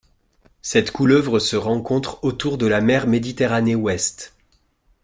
Cette couleuvre se rencontre autour de la mer Méditerranée ouest.